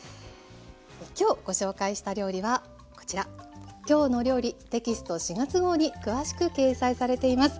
今日ご紹介した料理はこちら「きょうの料理」テキスト４月号に詳しく掲載されています。